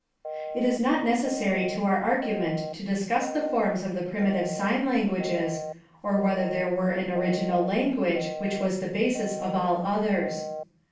It is not necessary to our argument to discuss the forms of the primitive sign languages, or whether there were an original language which was the basis of all others.